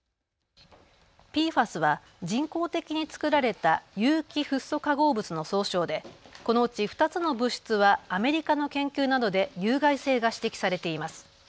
ＰＦＡＳは人工的に作られた有機フッ素化合物の総称でこのうち２つの物質はアメリカの研究などで有害性が指摘されています。